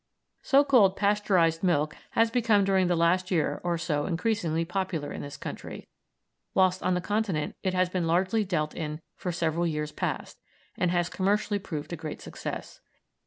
So called "Pasteurised" milk has become during the last year or so increasingly popular in this country, whilst on the Continent it has been largely dealt in for several years past, and has commercially proved a great success.